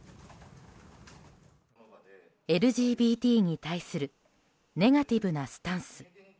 ＬＧＢＴに対するネガティブなスタンス。